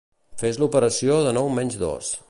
Fes l'operació de nou menys dos.